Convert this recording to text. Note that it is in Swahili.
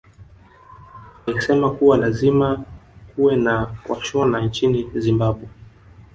Aisema kuwa lazima kuwe na washona nchini Zimbabwe